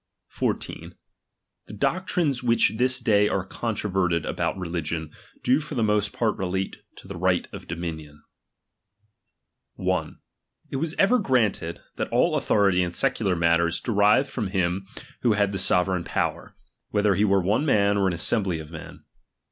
H< The doctrines which this day are controverted about reli gion, do for the most part relate to the right of dominion. CHAP.xvui !• It was ever granted, that all authority in secu Thodiincuu ^"^ matters derived from him who had the sove prupounded rcigu powcF, whether he were one man or an npngniiucfl of assembly of men.